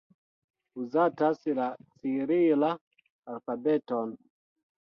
Uzatas la cirila alfabeto.